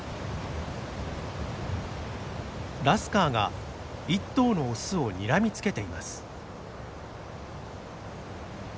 ラスカーが１頭のオスをにらみつけています。